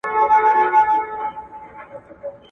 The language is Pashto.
که په اوړي په سفر به څوک وتله ,